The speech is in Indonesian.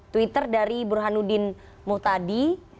twitter dari burhanudin muhtadi